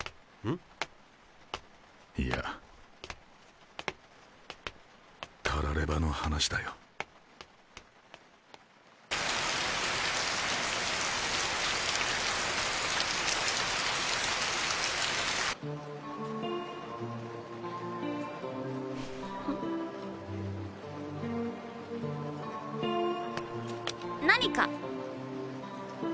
いやたらればの話だよ。何か？